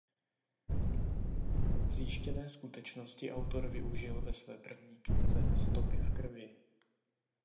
Zjištěné skutečnosti autor využil ve své první knize "Stopy v krvi".